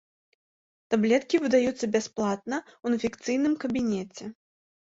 Таблеткі выдаюцца бясплатна ў інфекцыйным кабінеце.